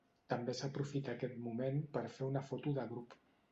També s'aprofita aquest moment per fer una foto de grup.